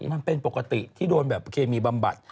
มันเป็นปกติที่โดนแบบเคมีบำบัด